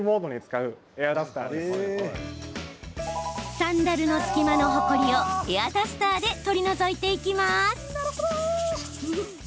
サンダルの隙間のホコリをエアダスターで取り除いていきます。